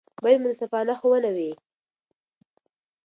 باید منصفانه ښوونه وي.